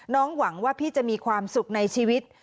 หวังว่าพี่จะมีความสุขในชีวิต